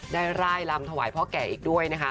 ได้ร่ายรามถวายพ่อแก่อีกด้วย